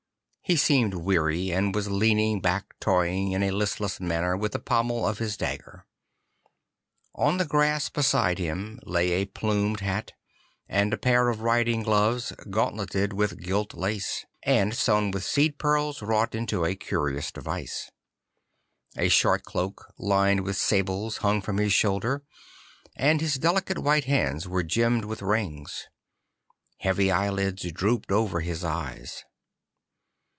He seemed weary, and was leaning back toying in a listless manner with the pommel of his dagger. On the grass beside him lay a plumed hat, and a pair of riding gloves gauntleted with gilt lace, and sewn with seed pearls wrought into a curious device. A short cloak lined with sables hang from his shoulder, and his delicate white hands were gemmed with rings. Heavy eyelids drooped over his eyes.